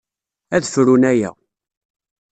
Ad frun aya.